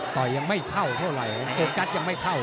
ป่อยยังไม่เข้าทั่วหลายโอกาสยังไม่เข้า